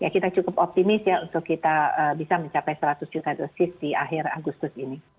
kita cukup optimis ya untuk kita bisa mencapai seratus juta dosis di akhir agustus ini